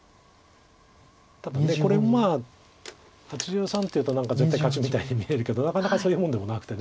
ただこれも８３っていうと何か絶対勝ちみたいに見えるけどなかなかそういうもんでもなくて。